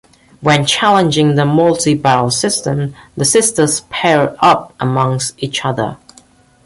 When challenging the Multi Battle system, the sisters pair up amongst each other.